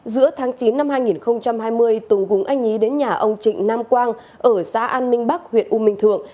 giữa tháng chín năm hai nghìn hai mươi tùng cùng anh nhí đến nhà ông trịnh nam quang ở xã an minh bắc huyện u minh thượng